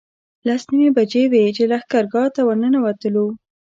لس نیمې بجې وې چې لښکرګاه ته ورنوتلو.